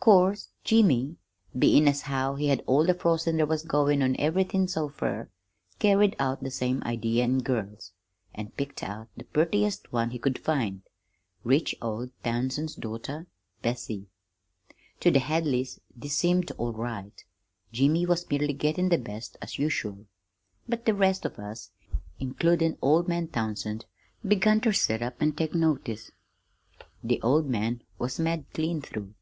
'Course, Jimmy, bein' as how he'd had all the frostin' there was goin' on everythin' so fur, carried out the same idea in girls, an' picked out the purtiest one he could find rich old Townsend's daughter, Bessie. "To the Hadleys this seemed all right Jimmy was merely gettin' the best, as usual; but the rest of us, includin' old man Townsend, begun ter sit up an' take notice. The old man was mad clean through.